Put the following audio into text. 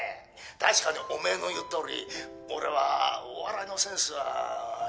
「確かにおめえの言うとおり俺はお笑いのセンスはイマイチだ」